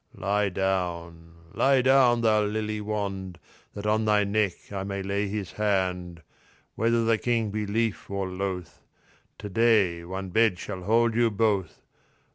Lie down, lie down, thou lily wand That on thy neck I may lay his hand. Whether the King be lief or loth To day one bed shall hold you both.